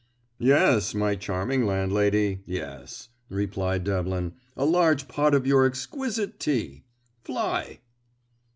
"Yes, my charming landlady, yes," replied Devlin, "A large pot of your exquisite tea. Fly!"